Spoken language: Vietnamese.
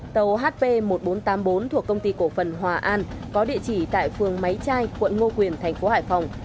tàu hp một nghìn bốn trăm tám mươi bốn thuộc công ty cổ phần hòa an có địa chỉ tại phường máy trai quận ngô quyền thành phố hải phòng